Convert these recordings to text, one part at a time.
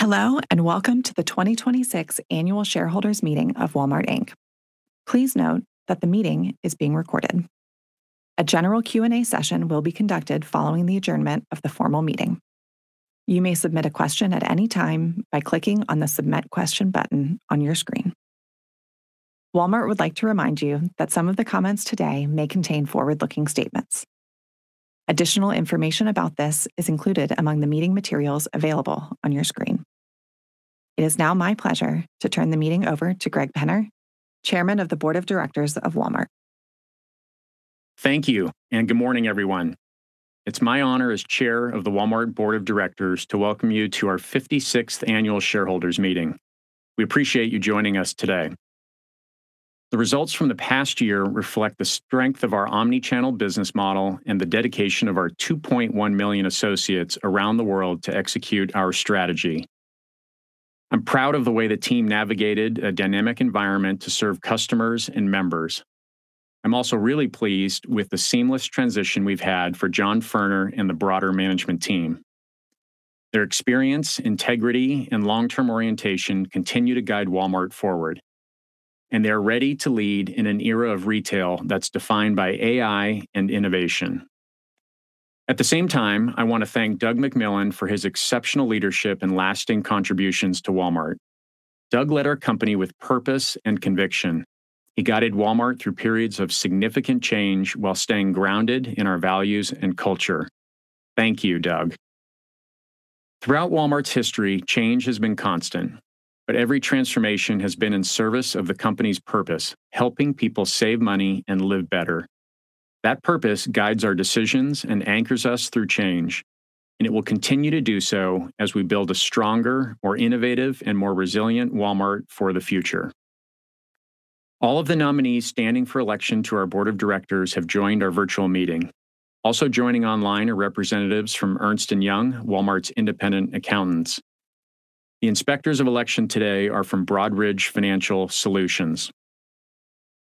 Hello, and welcome to the 2026 Annual Shareholders Meeting of Walmart Inc. Please note that the meeting is being recorded. A general Q&A session will be conducted following the adjournment of the formal meeting. You may submit a question at any time by clicking on the Submit Question button on your screen. Walmart would like to remind you that some of the comments today may contain forward-looking statements. Additional information about this is included among the meeting materials available on your screen. It is now my pleasure to turn the meeting over to Greg Penner, Chairman of the Board of Directors of Walmart. Thank you. Good morning, everyone. It's my honor as Chair of the Walmart Board of Directors to welcome you to our 56th annual shareholders meeting. We appreciate you joining us today. The results from the past year reflect the strength of our omnichannel business model and the dedication of our 2.1 million associates around the world to execute our strategy. I'm proud of the way the team navigated a dynamic environment to serve customers and members. I'm also really pleased with the seamless transition we've had for John Furner and the broader management team. Their experience, integrity, and long-term orientation continue to guide Walmart forward. They're ready to lead in an era of retail that's defined by AI and innovation. At the same time, I want to thank Doug McMillon for his exceptional leadership and lasting contributions to Walmart. Doug led our company with purpose and conviction. He guided Walmart through periods of significant change while staying grounded in our values and culture. Thank you, Doug. Throughout Walmart's history, change has been constant, but every transformation has been in service of the company's purpose, helping people save money and live better. That purpose guides our decisions and anchors us through change, and it will continue to do so as we build a stronger, more innovative, and more resilient Walmart for the future. All of the nominees standing for election to our board of directors have joined our virtual meeting. Also joining online are representatives from Ernst & Young, Walmart's independent accountants. The Inspectors of Election today are from Broadridge Financial Solutions.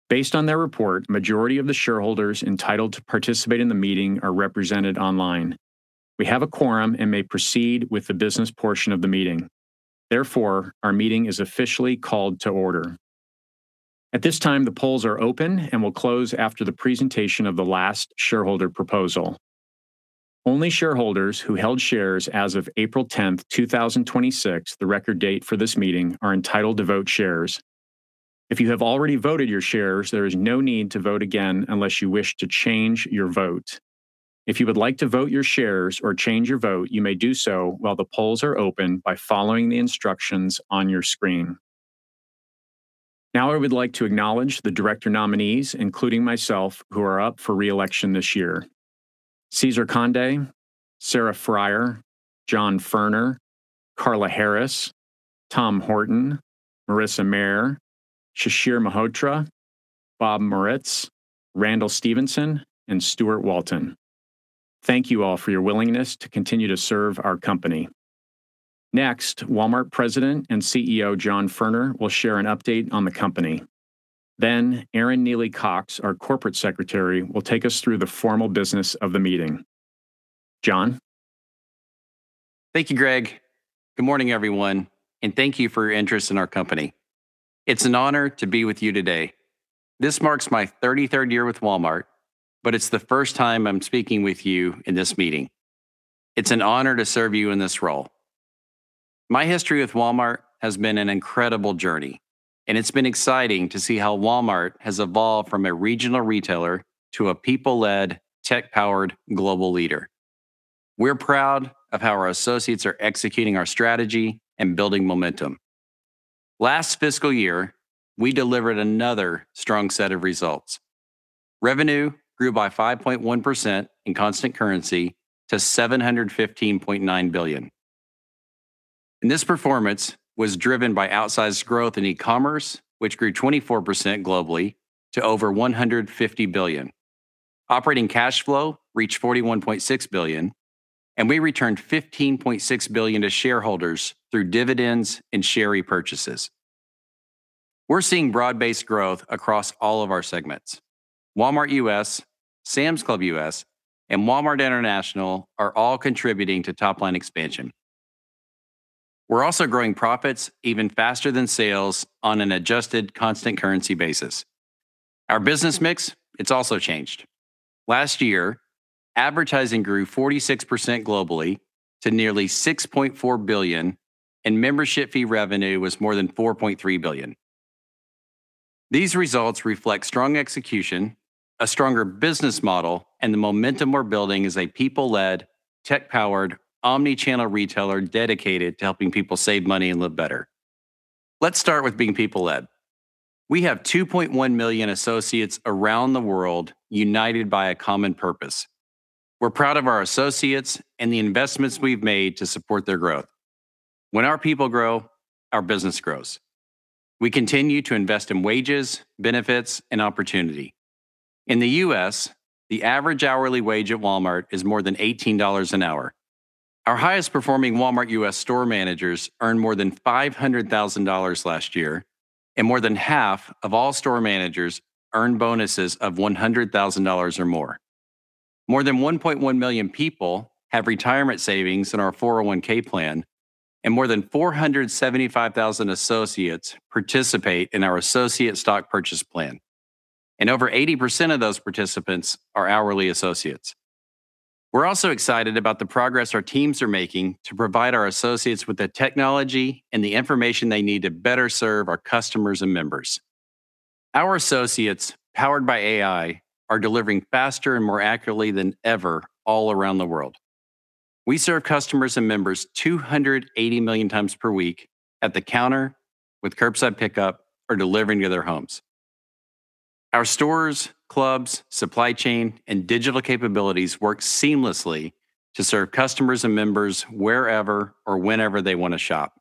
Based on their report, a majority of the shareholders entitled to participate in the meeting are represented online. We have a quorum and may proceed with the business portion of the meeting. Therefore, our meeting is officially called to order. At this time, the polls are open and will close after the presentation of the last shareholder proposal. Only shareholders who held shares as of April 10th, 2026, the record date for this meeting, are entitled to vote shares. If you have already voted your shares, there is no need to vote again unless you wish to change your vote. If you would like to vote your shares or change your vote, you may do so while the polls are open by following the instructions on your screen. Now, I would like to acknowledge the director nominees, including myself, who are up for re-election this year: Cesar Conde, Sarah Friar, John Furner, Carla Harris, Tom Horton, Marissa Mayer, Shishir Mehrotra, Bob Moritz, Randall Stephenson, and Steuart Walton. Thank you all for your willingness to continue to serve our company. Walmart President and CEO, John Furner, will share an update on the company. Erin Nealy Cox, our Corporate Secretary, will take us through the formal business of the meeting. John. Thank you, Greg. Good morning, everyone, and thank you for your interest in our company. It's an honor to be with you today. This marks my 33rd year with Walmart, but it's the first time I'm speaking with you in this meeting. It's an honor to serve you in this role. My history with Walmart has been an incredible journey, and it's been exciting to see how Walmart has evolved from a regional retailer to a people-led, tech-powered global leader. We're proud of how our associates are executing our strategy and building momentum. Last fiscal year, we delivered another strong set of results. Revenue grew by 5.1% in constant currency to $715.9 billion. This performance was driven by outsized growth in e-commerce, which grew 24% globally to over $150 billion. Operating cash flow reached $41.6 billion, and we returned $15.6 billion to shareholders through dividends and share repurchases. We're seeing broad-based growth across all of our segments. Walmart U.S., Sam's Club U.S., and Walmart International are all contributing to top-line expansion. We're also growing profits even faster than sales on an adjusted constant currency basis. Our business mix has also changed. Last year, advertising grew 46% globally to nearly $6.4 billion, and membership fee revenue was more than $4.3 billion. These results reflect strong execution, a stronger business model, and the momentum we're building as a people-led, tech-powered, omnichannel retailer dedicated to helping people save money and live better. Let's start with being people-led. We have 2.1 million associates around the world united by a common purpose. We're proud of our associates and the investments we've made to support their growth. When our people grow, our business grows. We continue to invest in wages, benefits, and opportunity. In the U.S., the average hourly wage at Walmart is more than $18 an hour. Our highest performing Walmart U.S. store managers earned more than $500,000 last year, and more than half of all store managers earned bonuses of $100,000 or more. More than 1.1 million people have retirement savings in our 401(k), and more than 475,000 associates participate in our Associate Stock Purchase Plan, and over 80% of those participants are hourly associates. We're also excited about the progress our teams are making to provide our associates with the technology and the information they need to better serve our customers and members. Our associates, powered by AI, are delivering faster and more accurately than ever all around the world. We serve customers and members 280 million times per week at the counter, with curbside pickup, or by delivering to their homes. Our stores, clubs, supply chain, and digital capabilities work seamlessly to serve customers and members wherever or whenever they want to shop.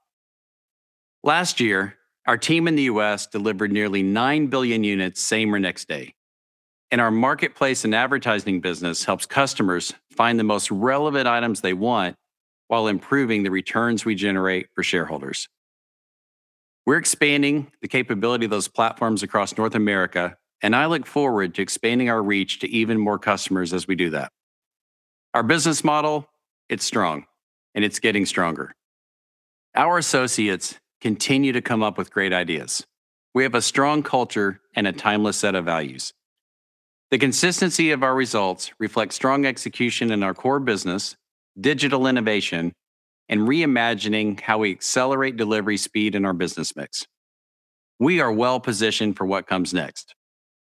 Last year, our team in the U.S. delivered nearly 9 billion units the same or next day. Our marketplace and advertising business helps customers find the most relevant items they want while improving the returns we generate for shareholders. We're expanding the capability of those platforms across North America, and I look forward to expanding our reach to even more customers as we do that. Our business model, it's strong, and it's getting stronger. Our associates continue to come up with great ideas. We have a strong culture and a timeless set of values. The consistency of our results reflects strong execution in our core business, digital innovation, and reimagining how we accelerate delivery speed in our business mix. We are well-positioned for what comes next.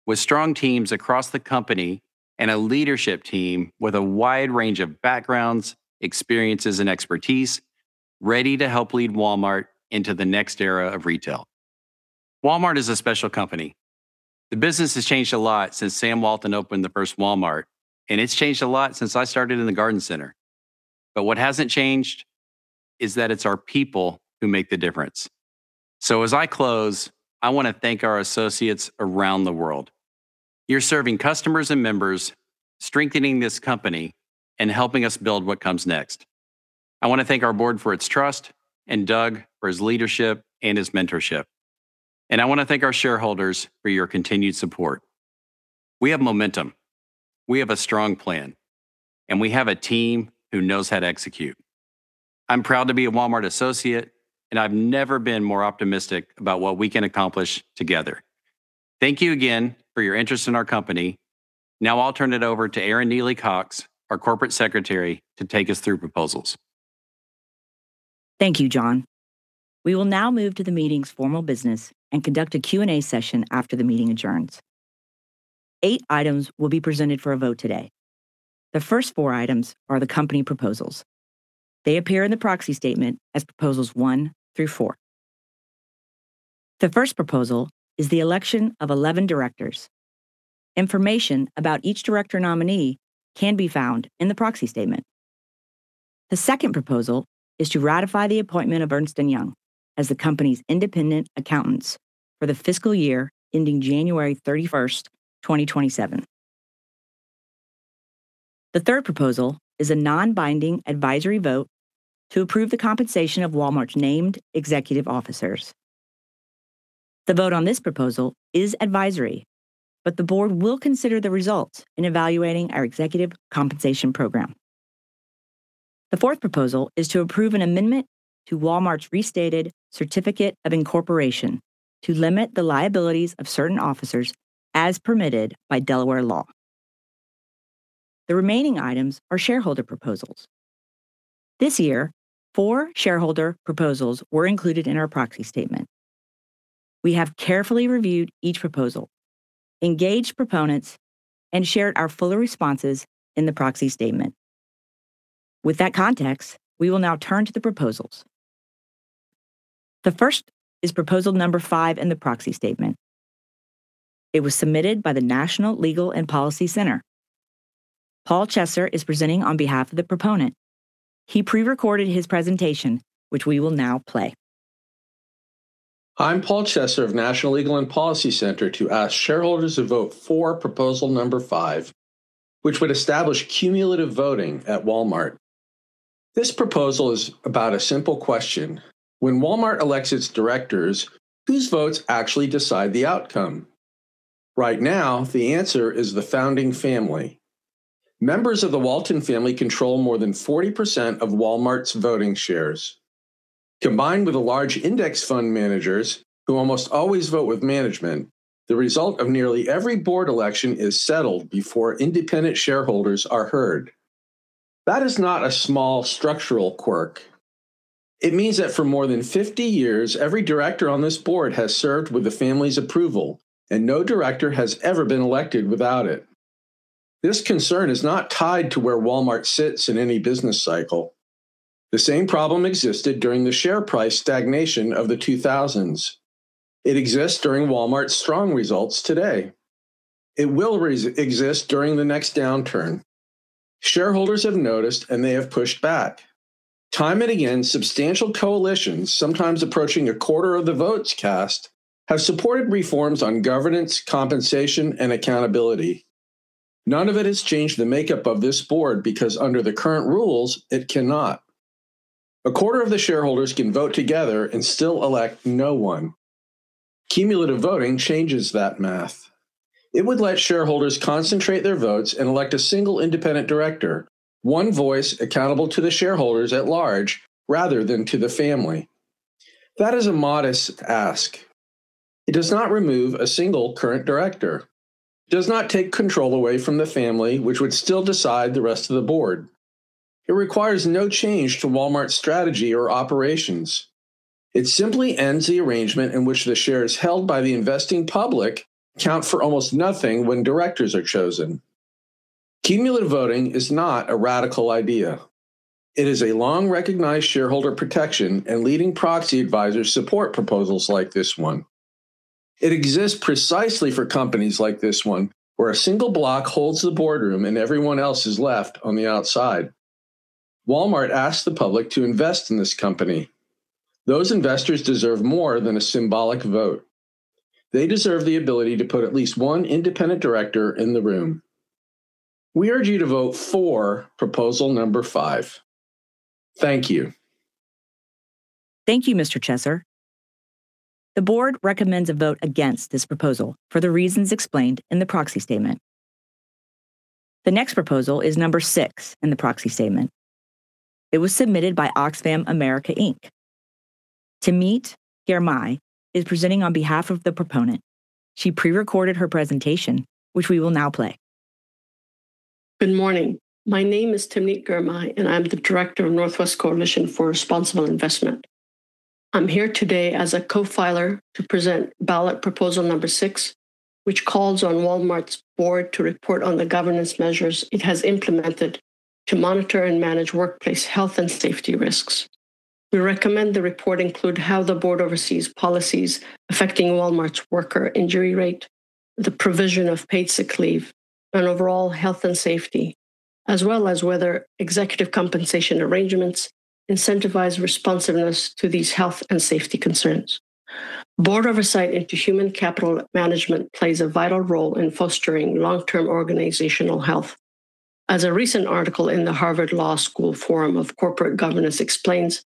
With strong teams across the company and a leadership team with a wide range of backgrounds, experiences, and expertise, we are ready to help lead Walmart into the next era of retail. Walmart is a special company. The business has changed a lot since Sam Walton opened the first Walmart, and it's changed a lot since I started in the Garden Center. What hasn't changed is that it's our people who make the difference. As I close, I want to thank our associates around the world. You're serving customers and members, strengthening this company, and helping us build what comes next. I want to thank our board for its trust and Doug for his leadership and his mentorship. I want to thank our shareholders for your continued support. We have momentum, we have a strong plan, and we have a team that knows how to execute. I'm proud to be a Walmart associate, and I've never been more optimistic about what we can accomplish together. Thank you again for your interest in our company. Now I'll turn it over to Erin Nealy Cox, our Corporate Secretary, to take us through proposals. Thank you, John. We will now move to the meeting's formal business and conduct a Q&A session after the meeting adjourns. Eight items will be presented for a vote today. The first four items are the company proposals. They appear in the proxy statement as proposals one through four. The first proposal is the election of 11 Directors. Information about each Director nominee can be found in the proxy statement. The second proposal is to ratify the appointment of Ernst & Young as the company's independent accountants for the fiscal year ending January 31st, 2027. The third proposal is a non-binding advisory vote to approve the compensation of Walmart's named executive officers. The vote on this proposal is advisory, but the board will consider the results in evaluating our executive compensation program. The fourth proposal is to approve an amendment to Walmart's restated certificate of incorporation to limit the liabilities of certain officers as permitted by Delaware law. The remaining items are shareholder proposals. This year, four shareholder proposals were included in our proxy statement. We have carefully reviewed each proposal, engaged proponents, and shared our fuller responses in the proxy statement. With that context, we will now turn to the proposals. The first is proposal number five in the proxy statement. It was submitted by the National Legal and Policy Center. Paul Chesser is presenting on behalf of the proponent. He pre-recorded his presentation, which we will now play. I'm Paul Chesser of National Legal and Policy Center to ask Shareholders to vote for proposal number five, which would establish cumulative voting at Walmart. This proposal is about a simple question. When Walmart elects its directors, whose votes actually decide the outcome? Right now, the answer is the founding family. Members of the Walton family control more than 40% of Walmart's voting shares. Combined with the large index fund managers, who almost always vote with management, the result of nearly every board election is settled before independent shareholders are heard. That is not a small structural quirk. It means that for more than 50 years, every director on this board has served with the family's approval, and no director has ever been elected without it. This concern is not tied to where Walmart sits in any business cycle. The same problem existed during the share price stagnation of the 2000s. It exists during Walmart's strong results today. It will exist during the next downturn. Shareholders have noticed, and they have pushed back. Time and again, substantial coalitions, sometimes approaching a quarter of the votes cast, have supported reforms on governance, compensation, and accountability. None of it has changed the makeup of this board because, under the current rules, it cannot. A quarter of the shareholders can vote together and still elect no one. Cumulative voting changes that math. It would let shareholders concentrate their votes and elect a single independent director, one voice accountable to the shareholders at large rather than to the family. That is a modest ask. It does not remove a single current director. It does not take control away from the family, which would still decide the rest of the board. It requires no change to Walmart's strategy or operations. It simply ends the arrangement in which the shares held by the investing public count for almost nothing when directors are chosen. cumulative voting is not a radical idea. Leading proxy advisors support proposals like this one. It is a long-recognized shareholder protection. It exists precisely for companies like this one, where a single block holds the boardroom and everyone else is left on the outside. Walmart asks the public to invest in this company. Those investors deserve more than a symbolic vote. They deserve the ability to put at least one independent director in the room. We urge you to vote for proposal number five. Thank you. Thank you, Mr. Chesser. The board recommends a vote against this proposal for the reasons explained in the proxy statement. The next proposal is number six in the proxy statement. It was submitted by Oxfam America Inc. Timnit Ghermay is presenting on behalf of the proponent. She pre-recorded her presentation, which we will now play. Good morning. My name is Timnit Ghermay; I'm the Director of Northwest Coalition for Responsible Investment. I'm here today as a co-filer to present ballot proposal number six, which calls on Walmart's board to report on the governance measures it has implemented to monitor and manage workplace health and safety risks. We recommend the report include how the board oversees policies affecting Walmart's worker injury rate, the provision of paid sick leave, and overall health and safety, as well as whether executive compensation arrangements incentivize responsiveness to these health and safety concerns. Board oversight into human capital management plays a vital role in fostering long-term organizational health. As a recent article in The Harvard Law School Forum on Corporate Governance explains,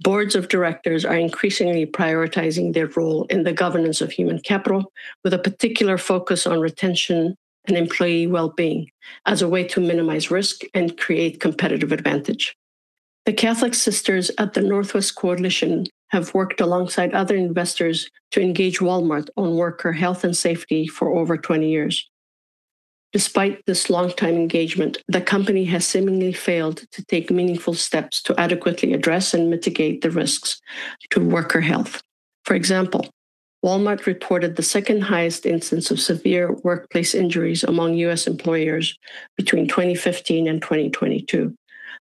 boards of directors are increasingly prioritizing their role in the governance of human capital with a particular focus on retention and employee well-being as a way to minimize risk and create competitive advantage. The Catholic Sisters at the Northwest Coalition have worked alongside other investors to engage Walmart on worker health and safety for over 20 years. Despite this long-time engagement, the company has seemingly failed to take meaningful steps to adequately address and mitigate the risks to worker health. For example, Walmart reported the second highest instance of severe workplace injuries among U.S. employers between 2015 and 2022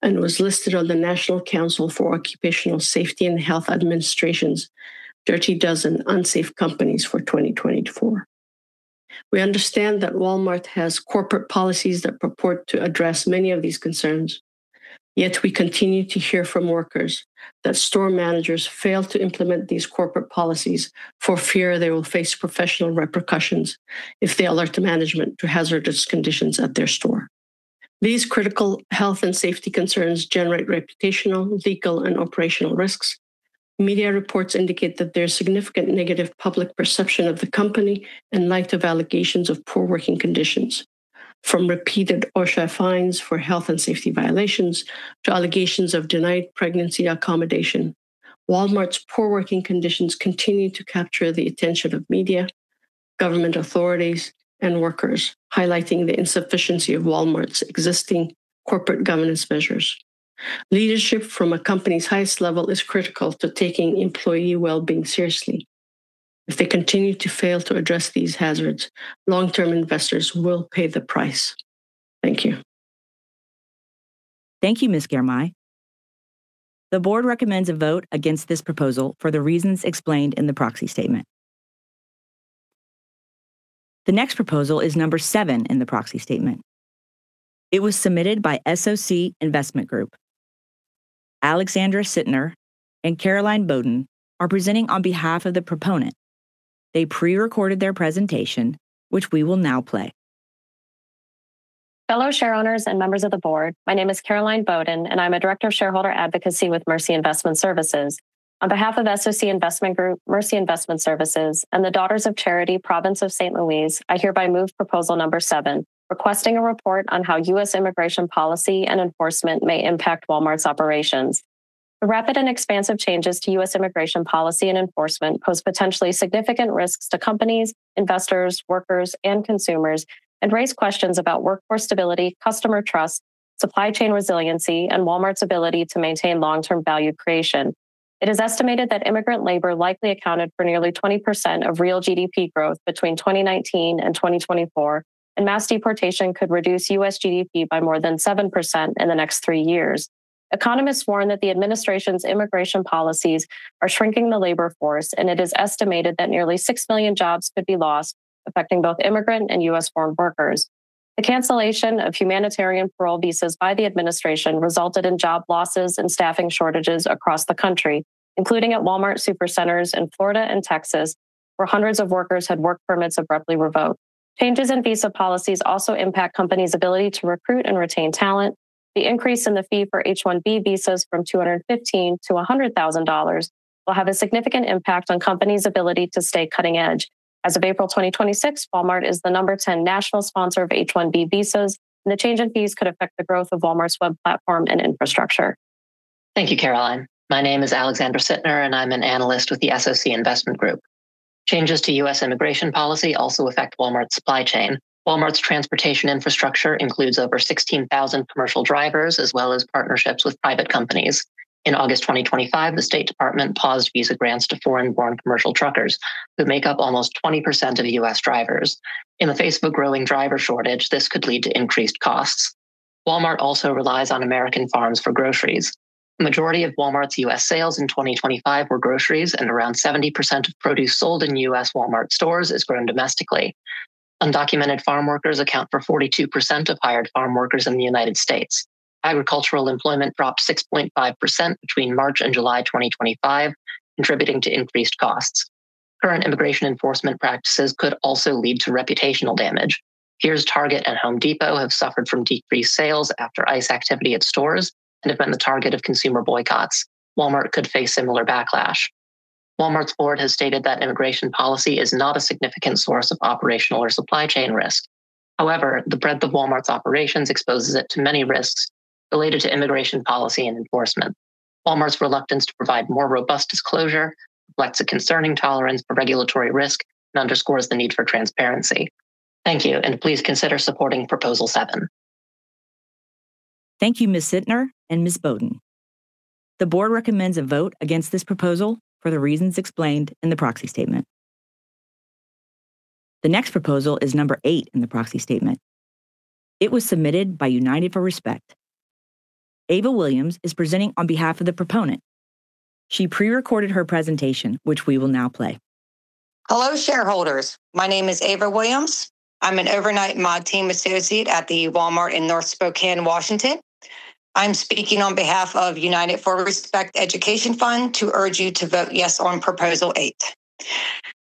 and was listed on the National Council for Occupational Safety and Health's Dirty Dozen Unsafe Companies for 2024. We understand that Walmart has corporate policies that purport to address many of these concerns. Yet we continue to hear from workers that store managers fail to implement these corporate policies for fear they will face professional repercussions if they alert management to hazardous conditions at their store. These critical health and safety concerns generate reputational, legal, and operational risks. Media reports indicate that there's significant negative public perception of the company in light of allegations of poor working conditions, from repeated OSHA fines for health and safety violations to allegations of denied pregnancy accommodation. Walmart's poor working conditions continue to capture the attention of media, government authorities, and workers, highlighting the insufficiency of Walmart's existing corporate governance measures. Leadership from a company's highest level is critical to taking employee well-being seriously. If they continue to fail to address these hazards, long-term investors will pay the price. Thank you. Thank you, Ms. Ghermay. The board recommends a vote against this proposal for the reasons explained in the proxy statement. The next proposal is number seven in the proxy statement. It was submitted by SOC Investment Group. Alexandra Sittner and Caroline Boden are presenting on behalf of the proponent. They pre-recorded their presentation, which we will now play. Fellow share owners and members of the board, my name is Caroline Boden, and I'm a Director of Shareholder Advocacy with Mercy Investment Services. On behalf of SOC Investment Group, Mercy Investment Services, and the Daughters of Charity Province of St. Louise, I hereby move proposal number seven, requesting a report on how U.S. immigration policy and enforcement may impact Walmart's operations. The rapid and expansive changes to U.S. immigration policy and enforcement pose potentially significant risks to companies, investors, workers, and consumers and raise questions about workforce stability, customer trust, supply chain resiliency, and Walmart's ability to maintain long-term value creation. It is estimated that immigrant labor likely accounted for nearly 20% of real GDP growth between 2019 and 2024, and mass deportation could reduce U.S. GDP by more than 7% in the next three years. Economists warn that the administration's immigration policies are shrinking the labor force, and it is estimated that nearly 6 million jobs could be lost, affecting both immigrant and U.S.-born workers. The cancellation of humanitarian parole visas by the administration resulted in job losses and staffing shortages across the country, including at Walmart Supercenter in Florida and Texas, where hundreds of workers had work permits abruptly revoked. Changes in visa policies also impact companies' ability to recruit and retain talent. The increase in the fee for H-1B visas from $215-$100,000 will have a significant impact on companies' ability to stay cutting-edge. As of April 2026, Walmart is the number 10 national sponsor of H-1B visas, and the change in fees could affect the growth of Walmart's web platform and infrastructure. Thank you, Caroline. My name is Alexandra Sittner, and I'm an analyst with the SOC Investment Group. Changes to U.S. immigration policy also affect Walmart's supply chain. Walmart's transportation infrastructure includes over 16,000 commercial drivers as well as partnerships with private companies. In August 2025, the State Department paused visa grants to foreign-born commercial truckers, who make up almost 20% of U.S. drivers. In the face of a growing driver shortage, this could lead to increased costs. Walmart also relies on American farms for groceries. The majority of Walmart's U.S. sales in 2025 were groceries, and around 70% of produce was sold in the U.S. Walmart stores have grown domestically. Undocumented farm workers account for 42% of hired farm workers in the U.S. Agricultural employment dropped 6.5% between March and July 2025, contributing to increased costs. Current immigration enforcement practices could also lead to reputational damage. Peers Target and Home Depot have suffered from decreased sales after ICE activity at stores and have been the target of consumer boycotts. Walmart could face similar backlash. Walmart's board has stated that immigration policy is not a significant source of operational or supply chain risk. The breadth of Walmart's operations exposes it to many risks related to immigration policy and enforcement. Walmart's reluctance to provide more robust disclosure reflects a concerning tolerance for regulatory risk and underscores the need for transparency. Thank you, and please consider supporting Proposal seven. Thank you, Ms. Sittner and Ms. Boden. The board recommends a vote against this proposal for the reasons explained in the proxy statement. The next proposal is number eight in the proxy statement. It was submitted by United for Respect. Ava Williams is presenting on behalf of the proponent. She pre-recorded her presentation, which we will now play. Hello, Shareholders. My name is Ava Williams. I'm an overnight Mod team Associate at the Walmart in North Spokane, Washington. I'm speaking on behalf of United for Respect Education Fund to urge you to vote yes on Proposal 8.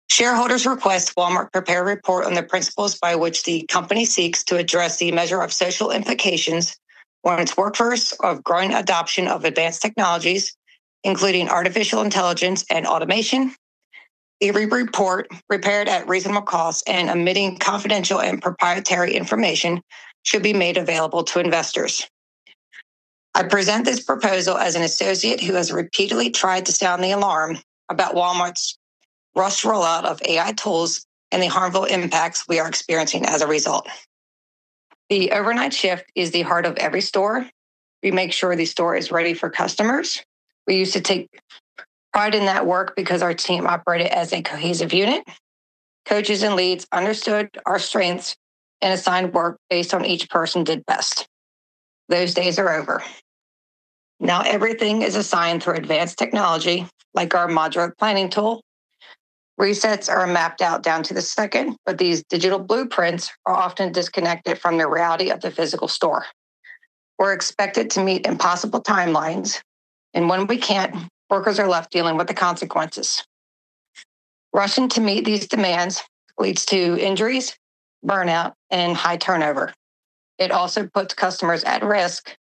Shareholders request Walmart prepare a report on the principles by which the company seeks to address the measure of social implications on its workforce of growing adoption of advanced technologies, including artificial intelligence and automation. Every report prepared at reasonable cost and omitting confidential and proprietary information should be made available to investors. I present this proposal as an associate who has repeatedly tried to sound the alarm about Walmart's rushed rollout of AI tools and the harmful impacts we are experiencing as a result. The overnight shift is the heart of every store. We make sure the store is ready for customers. We used to take pride in that work because our team operated as a cohesive unit. Coaches and leads understood our strengths and assigned work based on what each person did best. Those days are over. Everything is assigned through advanced technology, like our modular planning tool. Resets are mapped out down to the second; these digital blueprints are often disconnected from the reality of the physical store. We're expected to meet impossible timelines; when we can't, workers are left dealing with the consequences. Rushing to meet these demands leads to injuries, burnout, and high turnover. It also puts customers at risk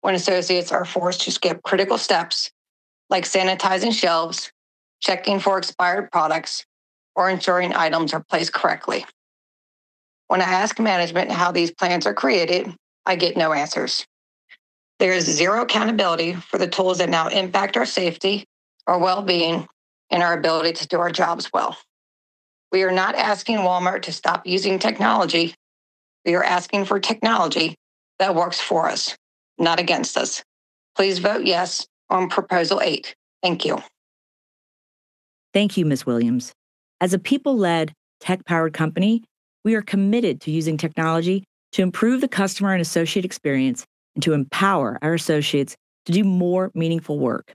when associates are forced to skip critical steps like sanitizing shelves, checking for expired products, or ensuring items are placed correctly. When I ask management how these plans are created, I get no answers. There is zero accountability for the tools that now impact our safety, our well-being, and our ability to do our jobs well. We are not asking Walmart to stop using technology. We are asking for technology that works for us, not against us. Please vote yes on Proposal 8. Thank you. Thank you, Ms. Williams. As a people-led, tech-powered company, we are committed to using technology to improve the customer and associate experience and to empower our associates to do more meaningful work.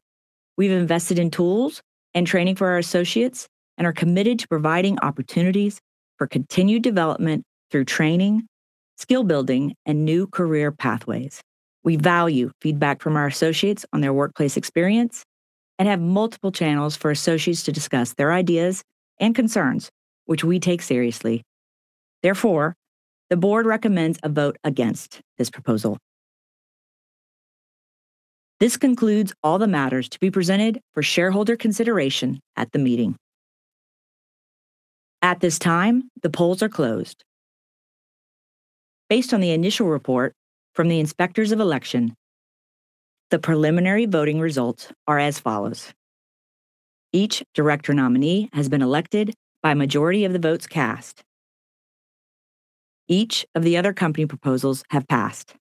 We've invested in tools and training for our associates and are committed to providing opportunities for continued development through training, skill building, and new career pathways. We value feedback from our associates on their workplace experience and have multiple channels for associates to discuss their ideas and concerns, which we take seriously. Therefore, the board recommends a vote against this proposal. This concludes all the matters to be presented for shareholder consideration at the meeting. At this time, the polls are closed. Based on the initial report from the inspectors of the election, the preliminary voting results are as follows. Each director nominee has been elected by a majority of the votes cast. Each of the other company proposals has passed,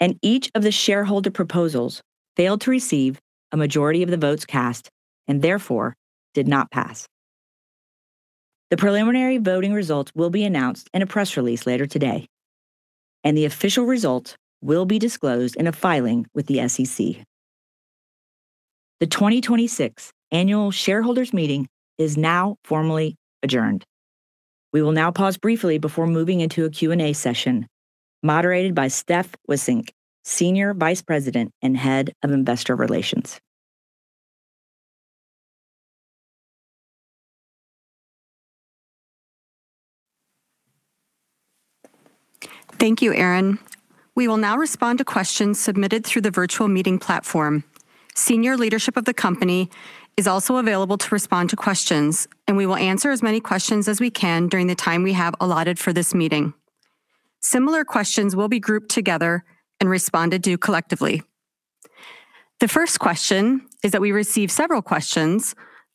and each of the shareholder proposals failed to receive a majority of the votes cast and therefore did not pass. The preliminary voting results will be announced in a press release later today, and the official results will be disclosed in a filing with the SEC. The 2026 Annual Shareholders Meeting is now formally adjourned. We will now pause briefly before moving into a Q&A session moderated by Steph Wissink, Senior Vice President and Head of Investor Relations. Thank you, Erin. We will now respond to questions submitted through the virtual meeting platform. Senior leadership of the company is also available to respond to questions, and we will answer as many questions as we can during the time we have allotted for this meeting. Similar questions will be grouped together and responded to collectively. The first question is that we receive several questions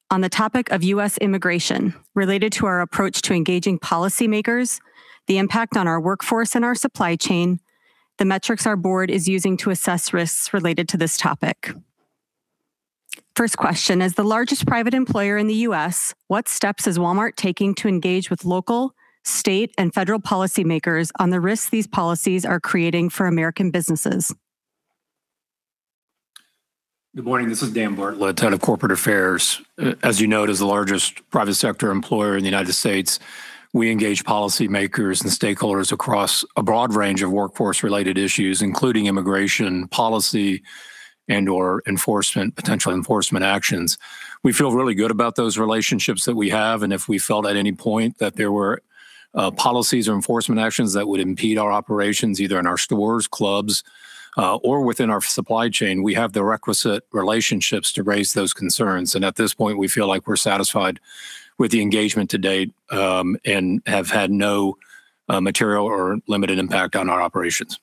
on the topic of U.S. immigration related to our approach to engaging policymakers, the impact on our workforce and our supply chain, the metrics our board is using to assess risks related to this topic. First question: As the largest private employer in the U.S., what steps is Walmart taking to engage with local, state, and federal policymakers on the risks these policies are creating for American businesses? Good morning. This is Dan Bartlett, head of Corporate Affairs. As you note, as the largest private sector employer in the U.S., we engage policymakers and stakeholders across a broad range of workforce-related issues, including immigration policy and/or potential enforcement actions. We feel really good about those relationships that we have, if we felt at any point that there were policies or enforcement actions that would impede our operations, either in our stores, clubs, or within our supply chain, we have the requisite relationships to raise those concerns. At this point, we feel like we're satisfied with the engagement to date, and have had no material or limited impact on our operations.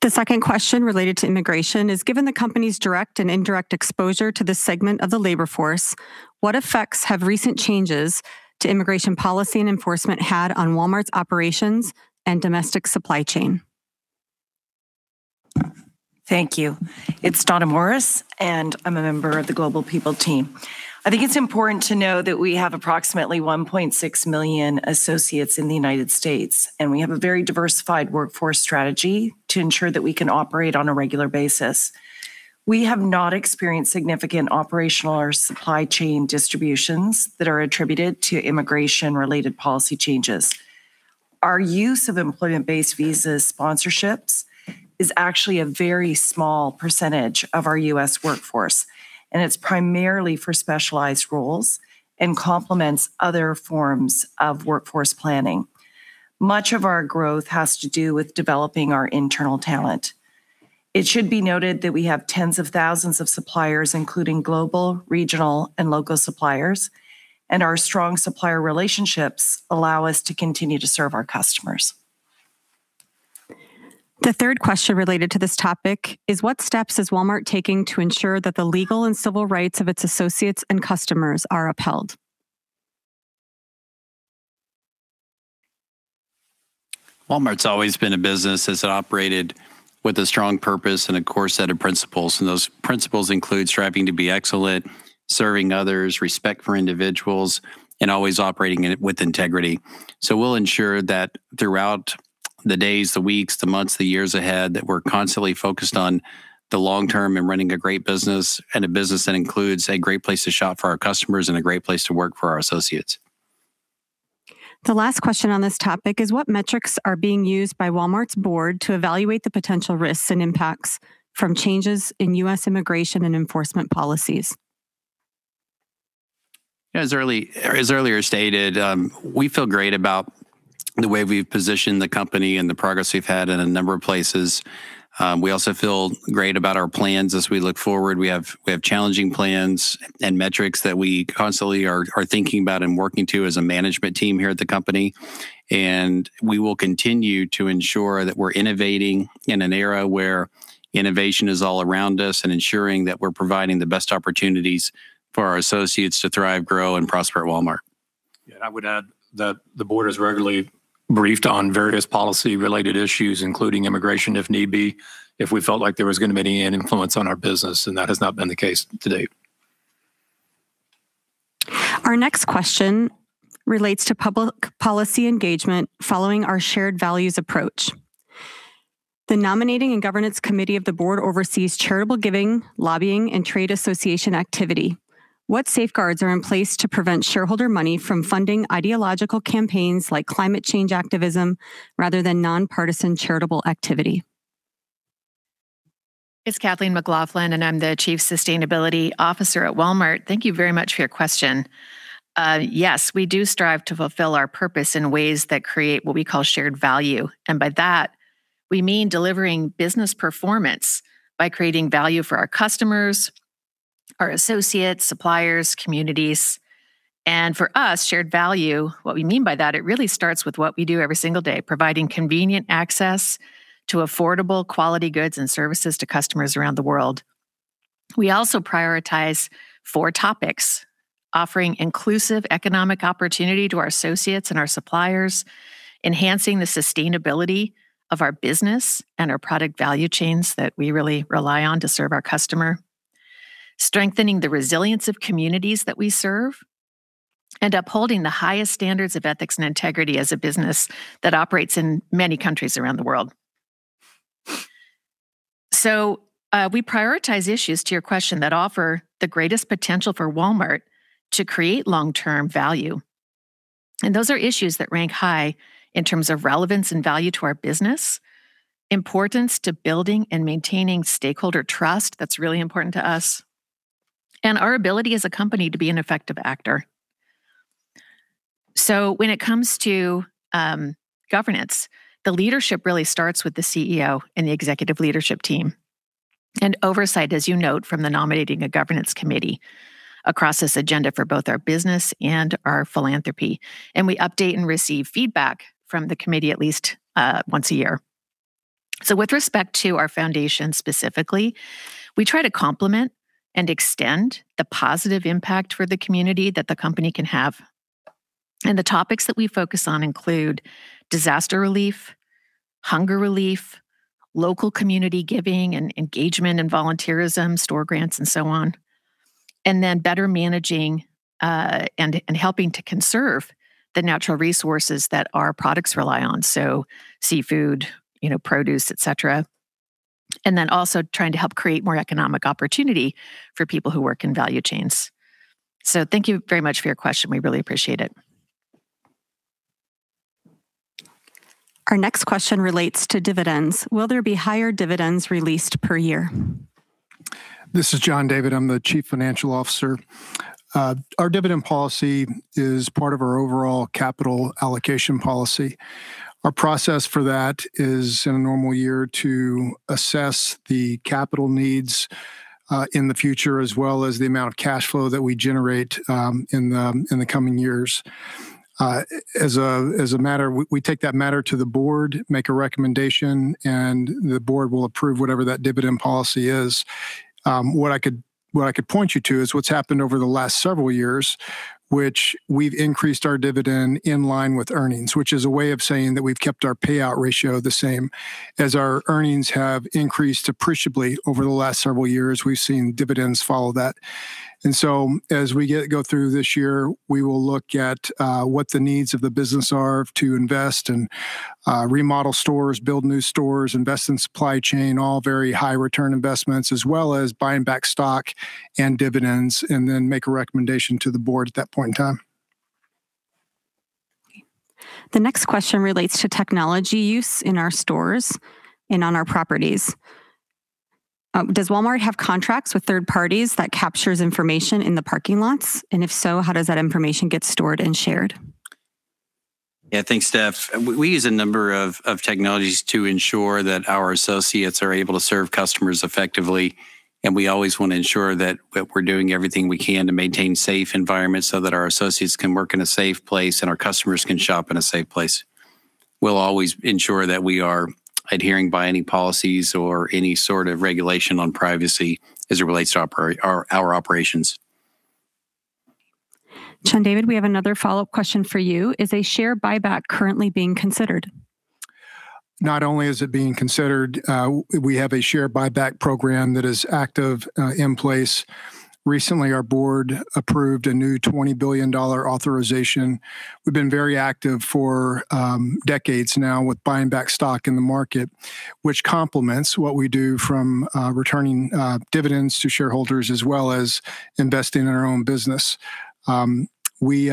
The second question related to immigration is: Given the company's direct and indirect exposure to this segment of the labor force, what effects have recent changes to immigration policy and enforcement had on Walmart's operations and domestic supply chain? Thank you. It's Donna Morris, I'm a member of the Global People team. I think it's important to know that we have approximately 1.6 million associates in the U.S.; we have a very diversified workforce strategy to ensure that we can operate on a regular basis. We have not experienced significant operational or supply chain disruptions that are attributed to immigration-related policy changes. Our use of employment-based visa sponsorships is actually a very small % of our U.S. workforce, it's primarily for specialized roles and complements other forms of workforce planning. Much of our growth has to do with developing our internal talent. It should be noted that we have tens of thousands of suppliers, including global, regional, and local suppliers, our strong supplier relationships allow us to continue to serve our customers. The third question related to this topic is: What steps is Walmart taking to ensure that the legal and civil rights of its associates and customers are upheld? Walmart's always been a business that's operated with a strong purpose and a core set of principles. Those principles include striving to be excellent, serving others, respect for individuals, and always operating in it with integrity. We'll ensure that throughout the days, the weeks, the months, and the years ahead, that we're constantly focused on the long term and running a great business, and a business that includes a great place to shop for our customers and a great place to work for our associates. The last question on this topic is: What metrics are being used by Walmart's board to evaluate the potential risks and impacts from changes in U.S. immigration and enforcement policies? As earlier stated, we feel great about the way we've positioned the company and the progress we've had in a number of places. We also feel great about our plans as we look forward. We have challenging plans and metrics that we constantly are thinking about and working to as a management team here at the company. We will continue to ensure that we're innovating in an era where innovation is all around us and ensuring that we're providing the best opportunities for our associates to thrive, grow, and prosper at Walmart. Yeah, I would add that the board is regularly briefed on various policy-related issues, including immigration, if need be, if we felt like there was going to be any influence on our business, and that has not been the case to date. Our next question relates to public policy engagement following our shared values approach. The Nominating and Governance Committee of the Board Oversees charitable giving, lobbying, and trade association activity. What safeguards are in place to prevent shareholder money from funding ideological campaigns like climate change activism rather than nonpartisan charitable activity? It's Kathleen McLaughlin, and I'm the Chief Sustainability Officer at Walmart. Thank you very much for your question. Yes, we do strive to fulfill our purpose in ways that create what we call shared value. By that, we mean delivering business performance by creating value for our customers, our associates, suppliers, and communities. For us, shared value, what we mean by that, it really starts with what we do every single day, providing convenient access to affordable quality goods and services to customers around the world. We also prioritize four topics: offering inclusive economic opportunity to our associates and our suppliers, enhancing the sustainability of our business and our product value chains that we really rely on to serve our customers, strengthening the resilience of communities that we serve, and upholding the highest standards of ethics and integrity as a business that operates in many countries around the world. We prioritize issues, to your question, that offer the greatest potential for Walmart to create long-term value. Those are issues that rank high in terms of relevance and value to our business, importance to building and maintaining stakeholder trust—that's really important to us—and our ability as a company to be an effective actor. When it comes to governance, the leadership really starts with the CEO and the Executive Leadership Team, and oversight, as you note, from the Nominating and Governance Committee across this agenda for both our business and our philanthropy. We update and receive feedback from the committee at least once a year. With respect to our foundation specifically, we try to complement and extend the positive impact for the community that the company can have. The topics that we focus on include disaster relief, hunger relief, local community giving, engagement and volunteerism, store grants, and so on. Better managing and helping to conserve the natural resources that our products rely on. Seafood, produce, et cetera. Also trying to help create more economic opportunity for people who work in value chains. Thank you very much for your question. We really appreciate it. Our next question relates to dividends. Will there be higher dividends released per year? This is John David; I'm the Chief Financial Officer. Our dividend policy is part of our overall capital allocation policy. Our process for that is, in a normal year, to assess the capital needs in the future, as well as the amount of cash flow that we generate in the coming years. We take that matter to the board, make a recommendation, and the board will approve whatever that dividend policy is. What I could point you to is what's happened over the last several years, which is we've increased our dividend in line with earnings. Which is a way of saying that we've kept our payout ratio the same. As our earnings have increased appreciably over the last several years, we've seen dividends follow that. As we go through this year, we will look at what the needs of the business are to invest and remodel stores, build new stores, and invest in the supply chain, all very high-return investments, as well as buy back stock and dividends, and then make a recommendation to the board at that point in time. The next question relates to technology use in our stores and on our properties. Does Walmart have contracts with third parties that capture information in the parking lots? If so, how does that information get stored and shared? Yeah. Thanks, Steph. We use a number of technologies to ensure that our associates are able to serve customers effectively, and we always want to ensure that we're doing everything we can to maintain safe environments so that our associates can work in a safe place and our customers can shop in a safe place. We'll always ensure that we are adhering by any policies or any sort of regulation on privacy as it relates to our operations. John David, we have another follow-up question for you. Is a share buyback currently being considered? Not only is it being considered, but we also have a share buyback program that is active and in place. Recently, our board approved a new $20 billion authorization. We've been very active for decades now with buying back stock in the market, which complements what we do from returning dividends to shareholders, as well as investing in our own business. We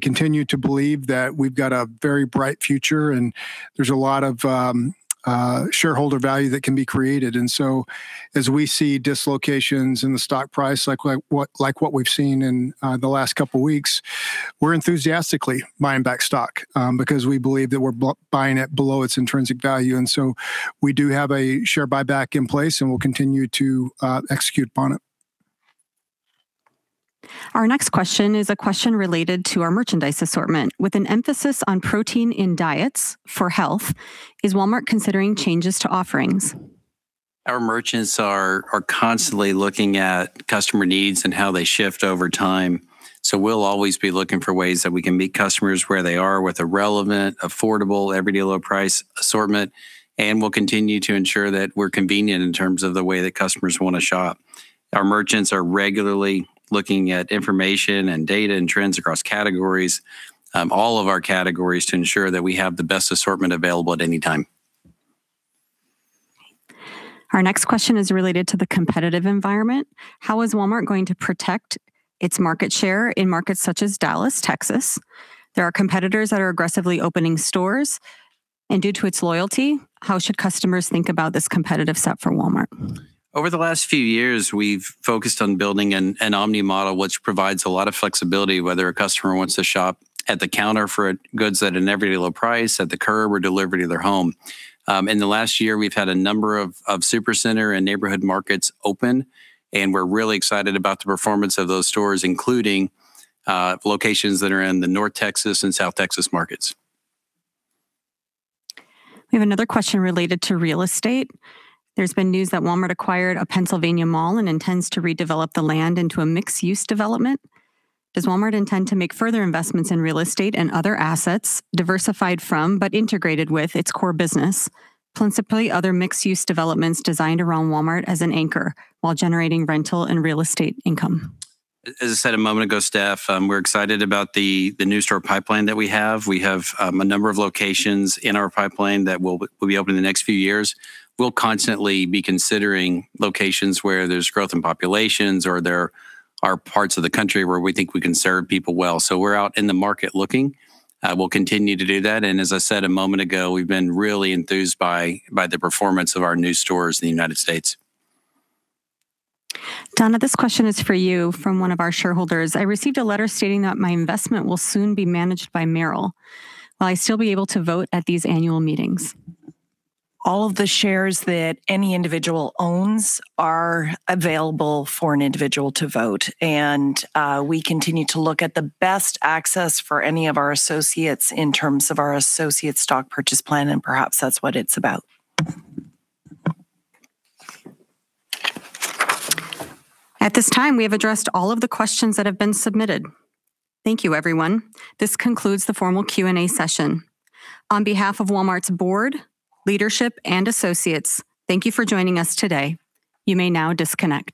continue to believe that we've got a very bright future and there's a lot of shareholder value that can be created. As we see dislocations in the stock price, like what we've seen in the last couple of weeks, we're enthusiastically buying back stock because we believe that we're buying it below its intrinsic value. We do have a share buyback in place, and we'll continue to execute upon it. Our next question is a question related to our merchandise assortment. With an emphasis on protein in diets for health, is Walmart considering changes to offerings? Our merchants are constantly looking at customer needs and how they shift over time. We'll always be looking for ways that we can meet customers where they are with a relevant, affordable, everyday low price assortment, and we'll continue to ensure that we're convenient in terms of the way that customers want to shop. Our merchants are regularly looking at information and data and trends across categories, all of our categories, to ensure that we have the best assortment available at any time. Our next question is related to the competitive environment. How is Walmart going to protect its market share in markets such as Dallas, Texas? There are competitors that are aggressively opening stores. Due to its loyalty, how should customers think about this competitive set for Walmart? Over the last few years, we've focused on building an omni model, which provides a lot of flexibility, whether a customer wants to shop at the counter for goods at an everyday low price, at the curb, or delivered to their home. In the last year, we've had a number of Supercenter and Neighborhood Markets open, and we're really excited about the performance of those stores, including locations that are in the North Texas and South Texas markets. We have another question related to real estate. There's been news that Walmart acquired a Pennsylvania mall and intends to redevelop the land into a mixed-use development. Does Walmart intend to make further investments in real estate and other assets diversified from, but integrated with, its core business, principally other mixed-use developments designed around Walmart as an anchor while generating rental and real estate income? As I said a moment ago, Steph, we're excited about the new store pipeline that we have. We have a number of locations in our pipeline that will be open in the next few years. We'll constantly be considering locations where there's growth in populations or there are parts of the country where we think we can serve people well. We're out in the market looking. We'll continue to do that. As I said a moment ago, we've been really enthused by the performance of our new stores in the U.S. Donna, this question is for you from one of our shareholders. I received a letter stating that my investment will soon be managed by Merrill. Will I still be able to vote at these annual meetings? All of the shares that any individual owns are available for an individual to vote. We continue to look at the best access for any of our associates in terms of our Associate Stock Purchase Plan, and perhaps that's what it's about. At this time, we have addressed all of the questions that have been submitted. Thank you, everyone. This concludes the formal Q&A session. On behalf of Walmart's board, leadership, and associates, thank you for joining us today. You may now disconnect.